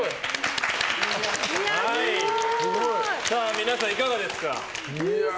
皆さんいかがですか？